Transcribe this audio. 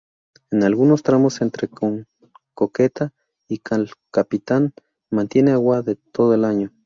En algunos tramos, entre can Coqueta y cal Capitán, mantiene agua todo el año.